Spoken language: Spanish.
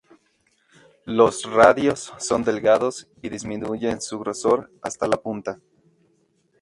Los radios son delgados y disminuyen su grosor hasta la punta.